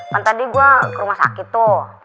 kan tadi gue ke rumah sakit tuh